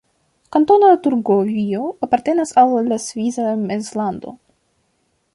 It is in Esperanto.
Kantono Turgovio apartenas al la Svisa Mezlando.